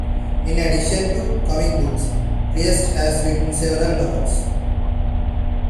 In addition to comic books, Priest has written several novels.